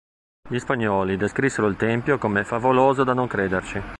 Gli spagnoli descrissero il tempio come "favoloso da non crederci".